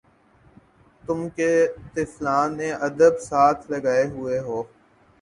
تُم کہ طفلانِ ادب ساتھ لگائے ہُوئے ہو